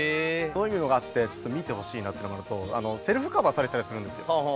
そういうのがあって見てほしいなっていうのがあるのとセルフカバーされたりするんですよ